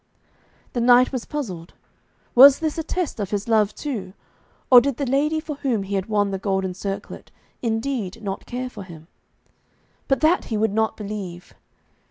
The knight was puzzled. Was this a test of his love too, or did the lady for whom he had won the golden circlet indeed not care for him? But that he would not believe.